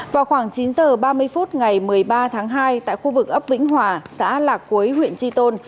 vào khoảng chín h ba mươi phút ngày một mươi ba tháng hai tại khu vực ấp vĩnh hòa xã lạc quế huyện tri tôn